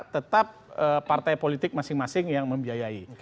tetap partai politik masing masing yang membiayai